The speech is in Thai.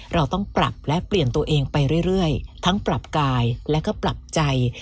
เราต้องปรับและเปลี่ยนตัวเองไปเรื่อยทั้งปรับกายและก็ปรับใจ